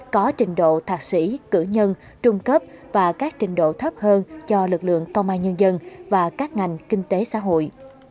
có trình độ thạc sĩ cử nhân trung cấp và các trình độ thấp hơn cho lực lượng công an nhân dân và các ngành kinh tế xã hội